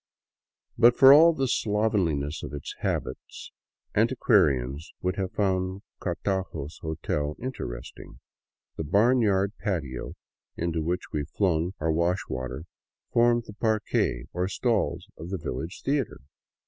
But for all the slovenliness of its habits, antiquarians would have found Cartago's hotel interesting. The barnyard patio into which we flung our wash water formed the parquet, or stalls, of the village theater.